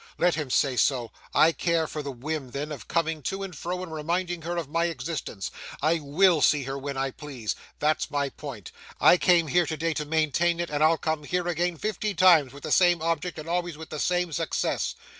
Let him say so. I care for the whim, then, of coming to and fro and reminding her of my existence. I WILL see her when I please. That's my point. I came here to day to maintain it, and I'll come here again fifty times with the same object and always with the same success.